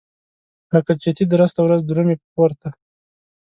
لکه چتي درسته ورځ درومي په پورته.